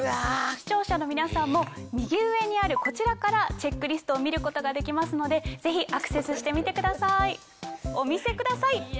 視聴者の皆さんも右上にあるこちらからチェックリストを見ることができますのでぜひアクセスしてみてください。